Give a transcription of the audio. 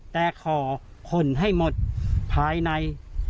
แต่ขอคนให้หมดภายใน